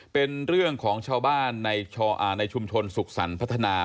เป็นเรื่องของชาวบ้านในชุมชนสุขสรรค์พัฒนา